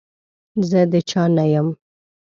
زه د چا نه يم.